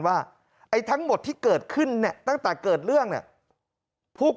ว่าไอ้ทั้งหมดที่เกิดขึ้นเนี่ยตั้งแต่เกิดเรื่องเนี่ยพวก